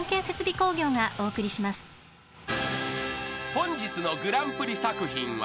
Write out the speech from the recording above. ［本日のグランプリ作品は］